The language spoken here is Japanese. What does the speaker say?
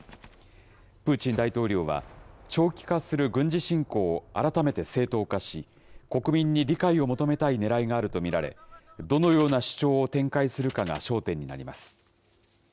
プーチン大統領は、長期化する軍事侵攻を改めて正当化し、国民に理解を求めたいねらいがあると見られ、どのような主張を展開するかが焦点になります。